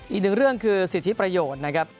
อีกหนึ่งเรื่องคือสิทธิประโยชน์นะครับ